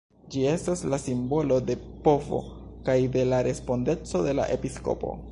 Ĝi estas la simbolo de la povo kaj de la respondeco de la episkopo.